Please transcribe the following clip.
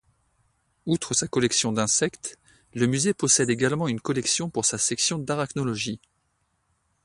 Outre sa collection d'insectes, le musée possède également une collection pour sa section d'arachnologie.